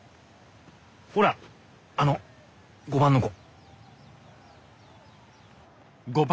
ほらあの５番の子！